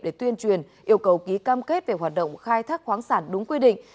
để tuyên truyền yêu cầu ký cam kết về hoạt động khai thác khoáng sản đúng quy định